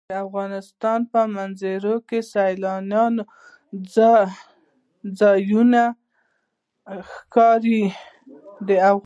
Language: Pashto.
د افغانستان په منظره کې سیلانی ځایونه ښکاره ده.